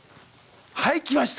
はい来ました！